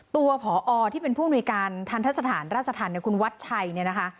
ผอที่เป็นผู้อำนวยการทันทะสถานราชธรรมคุณวัดชัยเนี่ยนะคะ